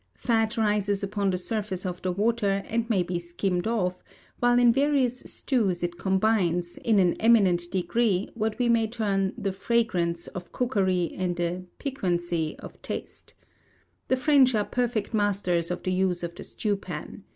Fat rises upon the surface of the water, and may be skimmed off; while in various stews it combines, in an eminent degree, what we may term the fragrance of cookery, and the piquancy of taste. The French are perfect masters of the use of the Stewpan.